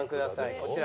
こちら。